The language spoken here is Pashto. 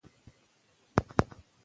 ناسمې ليکنې بايد علمي ځواب شي.